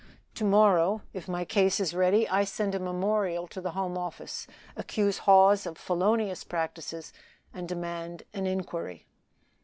To morrow, if my case is ready, I send a memorial to the Home Office, accuse Hawes of felonious practices, and demand an inquiry."